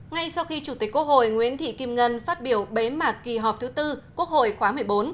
ngay sau khi chủ tịch quốc hội nguyễn thị kim ngân phát biểu bế mạc kỳ họp thứ tư quốc hội khóa một mươi bốn